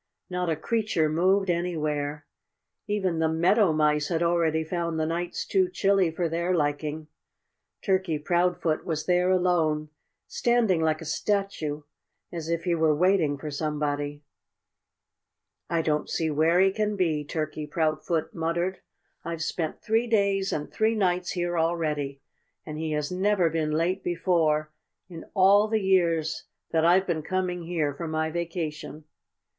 Not a creature moved anywhere. Even the meadow, mice had already found the nights too chilly for their liking. Turkey Proudfoot was there alone, standing like a statue, as if he were waiting for somebody. "I don't see where he can be," Turkey Proudfoot muttered. "I've spent three days and three nights here already. And he has never been late before in all the years that I've been coming here for my vacation."